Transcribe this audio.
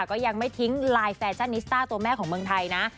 ก็ยังไม่ทิ้งไลน์แฟชั่นนิสต้าตัวแม่ของเมืองไทยนะ